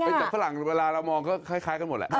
เป็นจากฝรั่งเวลาเรามองก็คล้ายกันหมดแหละ